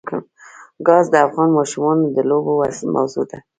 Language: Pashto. ګاز د افغان ماشومانو د لوبو موضوع ده.